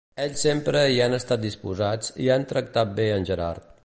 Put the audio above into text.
Ells sempre hi han estat disposats i han tractat bé en Gerard.